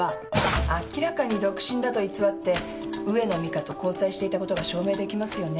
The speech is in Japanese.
明らかに独身だと偽って上野美香と交際していたことが証明できますよね？